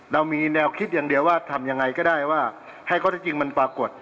เรามีแนวคิดอย่างเดียวว่าทำยังไงก็ได้ว่าให้ข้อเท็จจริงมันปรากฏ